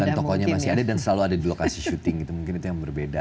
dan tokohnya masih ada dan selalu ada di lokasi syuting gitu mungkin itu yang berbeda